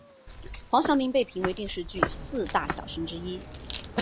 黄晓明被评为电视剧四大小生之一。